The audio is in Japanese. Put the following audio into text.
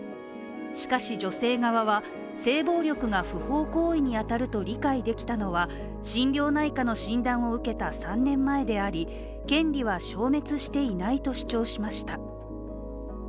しかし、女性側は性暴力が不法行為に当たると理解できたのは心療内科の診断を受けた３年前であり権利は消滅していないと主張しました。